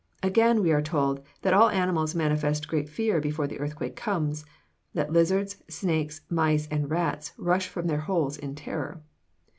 Again, we are told that all animals manifest great fear before the earthquake comes; that lizards, snakes, mice and rats rush from their holes in terror.